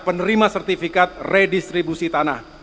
penerima sertifikat redistribusi tanah